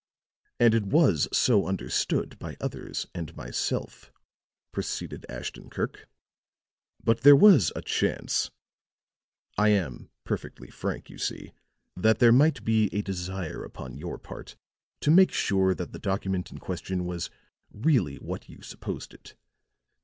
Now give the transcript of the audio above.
"And it was so understood by others and myself," proceeded Ashton Kirk. "But there was a chance I am perfectly frank, you see that there might be a desire upon your part to make sure that the document in question was really what you supposed it.